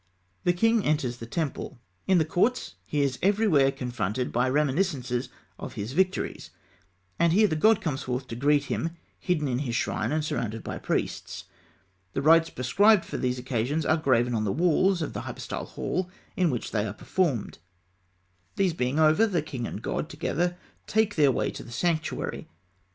The king enters the temple. In the courts, he is everywhere confronted by reminiscences of his victories; and here the god comes forth to greet him, hidden in his shrine and surrounded by priests. The rites prescribed for these occasions are graven on the walls of the hypostyle hall in which they were performed. These being over, king and god together take their way to the sanctuary.